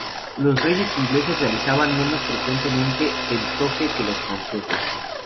Los reyes ingleses realizaban menos frecuentemente el toque que los franceses.